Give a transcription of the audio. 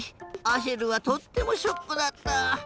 アシェルはとってもショックだった。